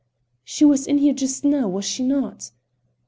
"She was in here just now, was she not?"